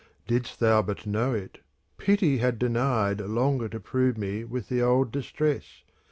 Did'st thou but know it, Pity had denied * Longer to prove me with the old distress.